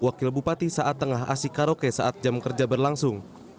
wakil bupati saat tengah asik karaoke saat jam kerja berlangsung